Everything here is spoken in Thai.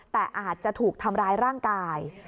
แต่อาจจะถูกทำร้ายร่างกาย